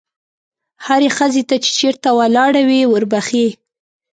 هرې ښځې ته چې چېرته ولاړه وي وربښې.